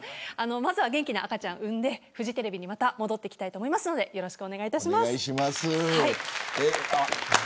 まずは元気な赤ちゃんを産んでまた戻ってきたいと思いますのでよろしくお願いいたします。